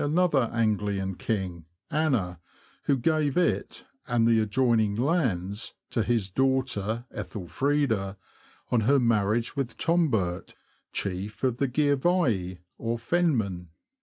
71 another Anglian king — Anna — who gave it, and the adjoining lands, to his daughter Ethelfreda, on her marriage with Tombert, chief of the Gyrvii, or Fen men.